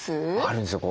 あるんですよ。